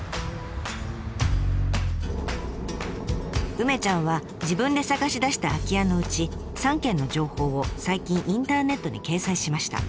梅ちゃんは自分で探し出した空き家のうち３軒の情報を最近インターネットに掲載しました。